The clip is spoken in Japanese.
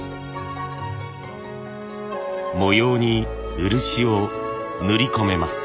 模様に漆を塗り込めます。